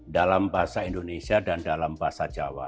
dalam bahasa indonesia dan dalam bahasa jawa